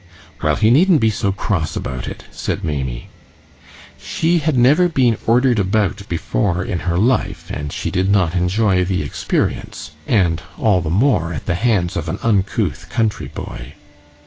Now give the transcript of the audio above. "Well, he needn't be so cross about it," said Maimie. She had never been ordered about before in her life, and she did not enjoy the experience, and all the more at the hands of an uncouth country boy.